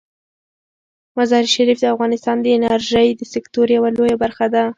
مزارشریف د افغانستان د انرژۍ د سکتور یوه لویه برخه ده.